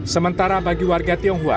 sementara bagi warga tionghoa